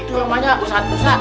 itu rumahnya pusat pusat